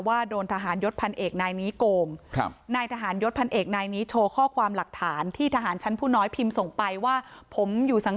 ว่าโดนทหารยศพันเอกนายนี้โกมนายทหารยศพันเอกนายนี้โชว์ข้อความหลักฐาน